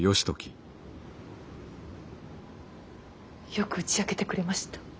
よく打ち明けてくれました。